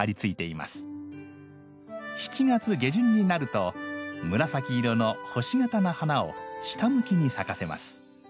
７月下旬になると紫色の星形の花を下向きに咲かせます。